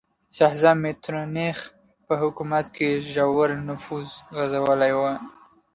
شهزاده میترنیخ په حکومت کې ژور نفوذ غځولی و.